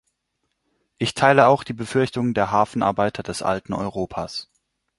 Ich teile auch die Befürchtungen der Hafenarbeiter des alten Europas.